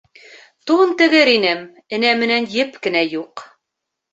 Тун тегер инем, энә менән еп кенә юҡ.